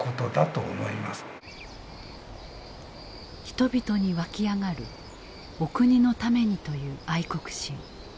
人々に湧き上がるお国のためにという愛国心。